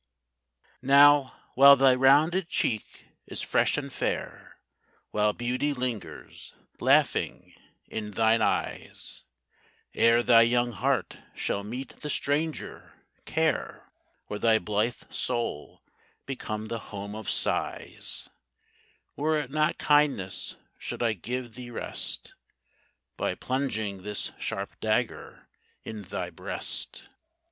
Now, while thy rounded cheek is fresh and fair, While beauty lingers, laughing, in thine eyes, Ere thy young heart shall meet the stranger, "Care," Or thy blithe soul become the home of sighs, Were it not kindness should I give thee rest By plunging this sharp dagger in thy breast?